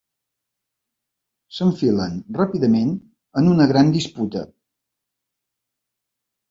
S'enfilen ràpidament en una gran disputa.